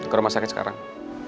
ke rumah sakit sekarang